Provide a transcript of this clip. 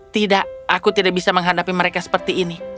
tidak aku tidak bisa menghadapi mereka seperti ini